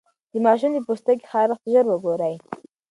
د ماشوم د پوستکي خارښت ژر وګورئ.